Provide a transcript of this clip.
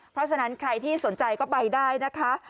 เพราะฉะนั้นใครที่สนใจก็ไปได้นะคะ